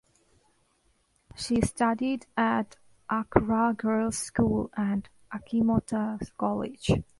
She studied at Accra Girls School and Achimota College.